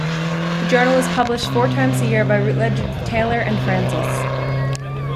The journal is published four times a year by Routledge Taylor and Francis.